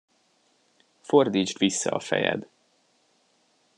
Fordítsd vissza a fejed.